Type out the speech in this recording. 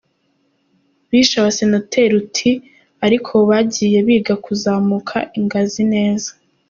– Bishe abasenateri uti “ariko bagiye biga kuzamuka ingazi neza”